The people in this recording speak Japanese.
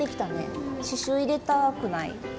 刺しゅう入れたくない？